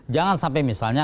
jangan sampai misalnya